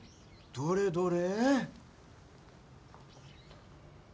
どれどれ。